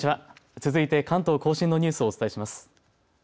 続いて関東甲信のニュースをお伝えします。